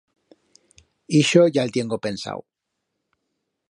Ixo ya el tiengo pensau.